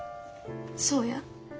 そうや。